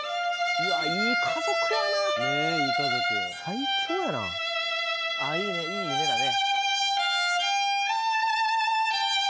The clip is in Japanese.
うわいい家族やなねえいい家族最強やなああいいねいい夢だね